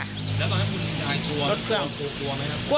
แล้วตอนนี้คุณไทยกลัวไหมครับ